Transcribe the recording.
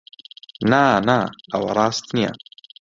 نا، نا! ئەوە ڕاست نییە.